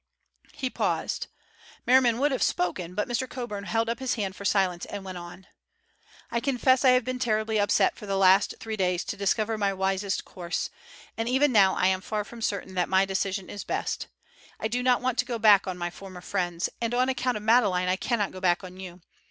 He paused. Merriman would have spoken, but Mr. Coburn held up his hand for silence and went on: "I confess I have been terribly upset for the last three days to discover my wisest course, and even now I am far from certain that my decision is best. I do not want to go back on my former friends, and on account of Madeleine I cannot go back on you.